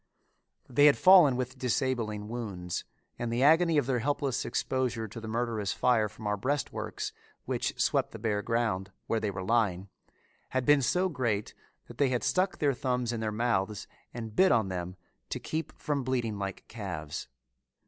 They had fallen with disabling wounds and the agony of their helpless exposure to the murderous fire from our breastworks, which swept the bare ground, where they were lying, had been so great that they had stuck their thumbs in their mouths and bit on them to keep from bleating like calves.